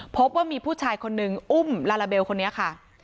พบว่ามีผู้ชายคนนึงอุ้มลาลาเบลคนนี้ค่ะ